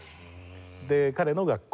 で彼の学校。